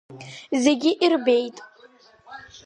Зегьы ирбеит…